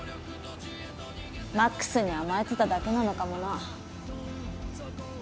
魔苦須に甘えてただけなのかもな。